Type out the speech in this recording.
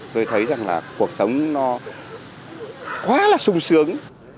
tôi thấy rằng là cuộc sống nó quá là sung sướng